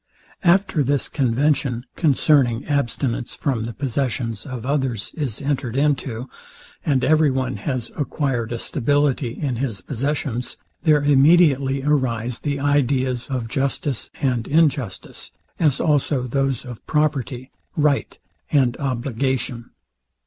After this convention, concerning abstinence from the possessions of others, is entered into, and every one has acquired a stability in his possessions, there immediately arise the ideas of justice and injustice; as also those of property, right, and obligation.